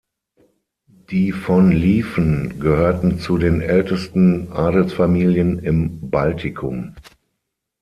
Die von Lieven gehörten zu den ältesten Adelsfamilien im Baltikum.